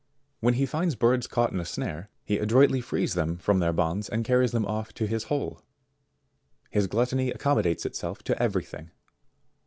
When he finds birds caught in a snare, he adroitly frees them from their bonds and carries them off to his hole. His gluttony accommodates itself to everything.